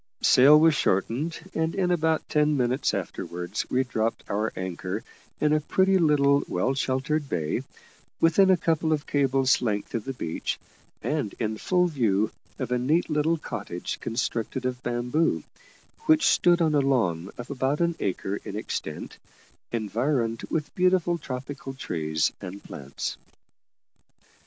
Sail was shortened, and in about ten minutes afterwards we dropped our anchor in a pretty little well sheltered bay, within a couple of cables' length of the beach, and in full view of a neat little cottage constructed of bamboo, which stood on a lawn of about an acre in extent, environed with beautiful tropical trees and plants.